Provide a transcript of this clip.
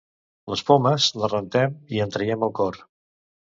Les pomes les rentem i en traiem el cor.